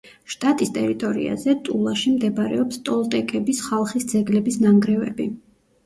შტატის ტერიტორიაზე, ტულაში მდებარეობს ტოლტეკების ხალხის ძეგლების ნანგრევები.